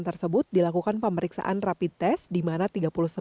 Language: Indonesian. di jawa barat di jawa barat di jawa barat di jawa barat di jawa barat di jawa barat